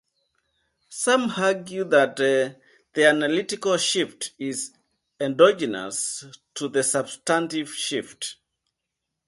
Some argue that the analytical shift is endogenous to the substantive shift.